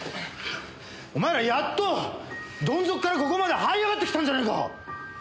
お前らやっとどん底からここまで這い上がってきたんじゃないか！